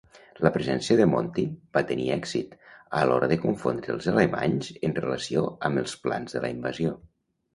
La presència de "Monty" va tenir èxit, a l"hora de confondre els alemanys en relació amb els plans de la invasió.